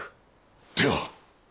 では。